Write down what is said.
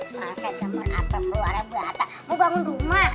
masa gambar apel berwarna batak mau bangun rumah